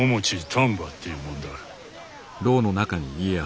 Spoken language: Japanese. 丹波っていうもんだ。